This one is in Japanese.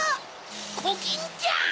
コキンちゃん！